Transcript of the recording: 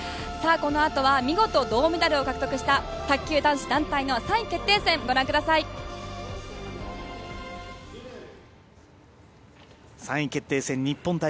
このあとは見事、銅メダルを獲得した卓球男子団体の３位決定戦をご覧ください。